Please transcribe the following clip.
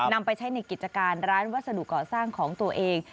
นำไปใช้ในกิจการร้านวัสดุเกาะสร้างของตัวเอง